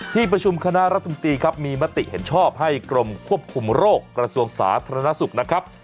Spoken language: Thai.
ที่ประชุมคณะรัฐมนตรีครับมีมติเห็นชอบให้กรมควบคุมโรคกระทรวงสาธารณสุขนะครับ